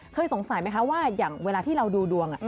เคยสงสัยไหมคะว่าอย่างเวลาที่เราดูดวง